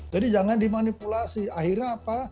jadi jangan dimanipulasi akhirnya apa